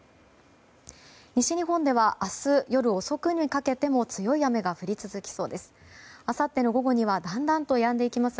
西日本では明日夜遅くにかけても強い雨が降り続きそうです。